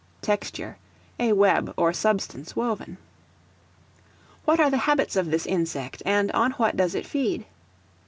Texture, a web or substance woven. What are the habits of this insect, and on what does it feed?